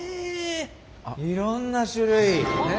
いろんな種類。